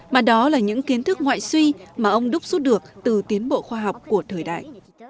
mà đó là những kiến thức ngoại suy mà ông đúc xuất được từ tiến bộ khoa học của thời đại